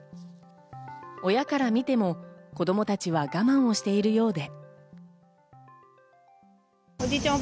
親から見ても子供たちは我慢をしているようで。